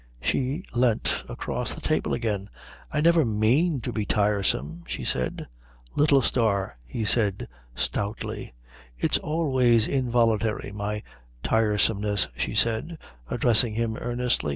She leant across the table again. "I never mean to be tiresome," she said. "Little star," he said stoutly. "It's always involuntary, my tiresomeness," she said, addressing him earnestly.